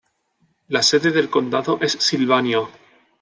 La sede del condado es Sylvania.